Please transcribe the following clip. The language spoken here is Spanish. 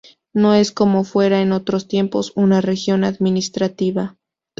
No es, como fuera en otros tiempos, una región administrativa.